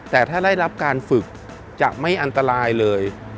แต่ถ้าได้รับการฝึกจะไม่อันตรายเลย